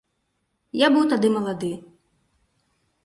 Я быў тады малады.